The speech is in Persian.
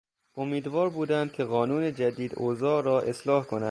امیدوار بودند که قانون جدید اوضاع را اصلاح کند.